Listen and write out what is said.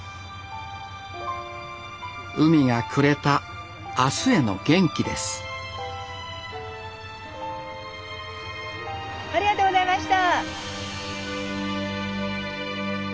海がくれたあすへの元気ですありがとうございました。